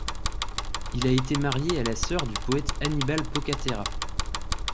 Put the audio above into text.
Il a été marié à la sœur du poète Annibale Pocaterra.